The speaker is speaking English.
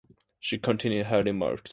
She continued her remarks.